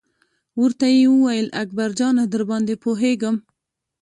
ورته یې وویل: اکبر جانه درباندې پوهېږم.